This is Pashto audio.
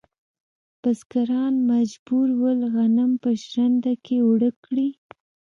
بزګران مجبور ول غنم په ژرندو کې اوړه کړي.